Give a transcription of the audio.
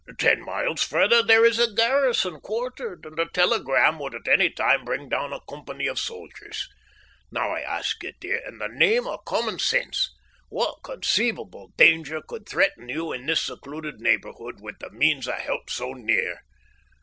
Ten miles farther there is a garrison quartered, and a telegram would at any time bring down a company of soldiers. Now, I ask you, dear, in the name of common sense, what conceivable danger could threaten you in this secluded neighbourhood, with the means of help so near?